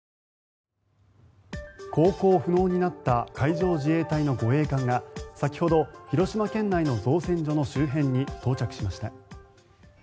航行不能になった海上自衛隊の護衛艦が先ほど広島県内の造船所の周辺に到着しました。